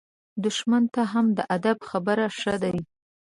دښمن ته هم د ادب خبرې ښه دي.